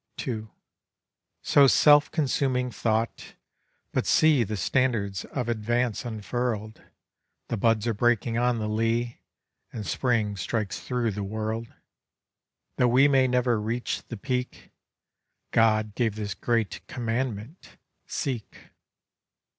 2. 'So self consuming thought. But see The standards of Advance unfurl'd; The buds are breaking on the lea, And Spring strikes thro' the world. Tho' we may never reach the Peak, God gave this great commandment, Seek.